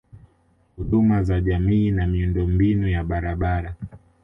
Huduma za jamii na Miundombinu ya barabara